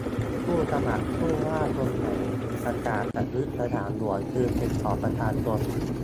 ผู้สมัครผู้ว่าคนไหนประกาศจะยึดสนามหลวงคืนเป็นของประชาชน